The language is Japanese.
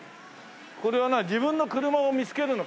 これは自分の車を見つけるの？